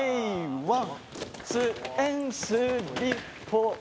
ワン！